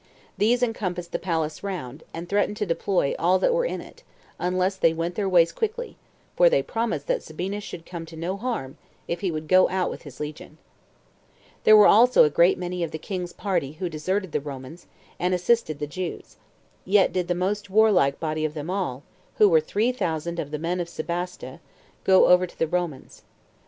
These encompassed the palace round, and threatened to deploy all that were in it, unless they went their ways quickly; for they promised that Sabinus should come to no harm, if he would go out with his legion. There were also a great many of the king's party who deserted the Romans, and assisted the Jews; yet did the most warlike body of them all, who were three thousand of the men of Sebaste, go over to the Romans.